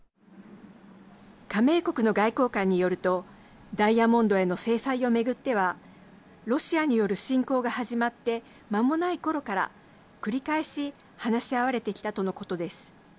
加盟国の外交官によるとダイヤモンドへの制裁を巡ってはロシアによる侵攻が始まってまもないころから繰り返し話し合われてきたとのことです。